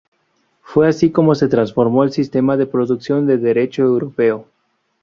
Fue así como se transformó el sistema de producción de Derecho europeo.